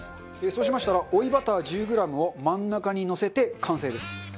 そうしましたら追いバター１０グラムを真ん中にのせて完成です。